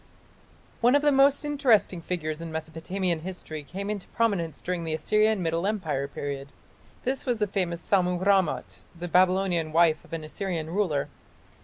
One of the most interesting figures in Mesopotamian history came into prominence during the Assyrian Middle Empire period. This was the famous Sammu rammat, the Babylonian wife of an Assyrian ruler.